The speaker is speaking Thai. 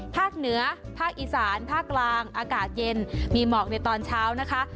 ภาคเหนือภาคอีสานภาคกลางอากาศเย็นมีหมอกในตอนเช้านะคะ